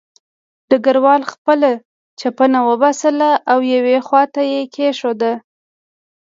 ډګروال خپله چپنه وباسله او یوې خوا ته یې کېښوده